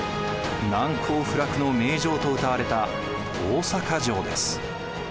難攻不落の名城とうたわれた大坂城です。